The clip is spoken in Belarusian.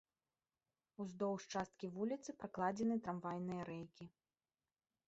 Уздоўж часткі вуліцы пракладзены трамвайныя рэйкі.